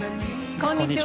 こんにちは。